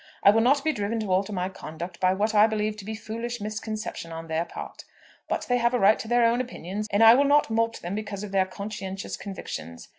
I will not be driven to alter my conduct by what I believe to be foolish misconception on their part. But they have a right to their own opinions, and I will not mulct them because of their conscientious convictions.